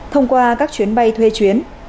thông qua các chuyến bay thuê chuyến